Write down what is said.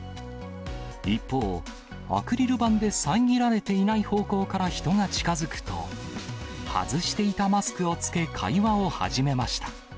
一方、アクリル板で遮られていない方向から人が近づくと、外していたマスクを着け、会話を始めました。